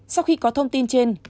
sau khi có thông tin trên